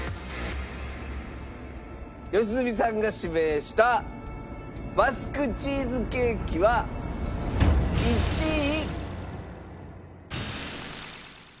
良純さんが指名したバスクチーズケーキは１位。